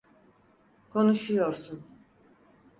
Konuşuyorsun.